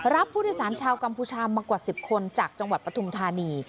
รับผู้โดยสารชาวกัมพูชามากว่า๑๐คนจากจังหวัดปฐุมธานี